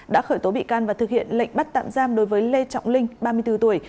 đã khởi tố bị can và thực hiện lệnh bắt tạm giam đối với lê trọng linh ba mươi bốn tuổi